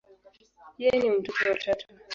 Yeye ni mtoto wa tatu.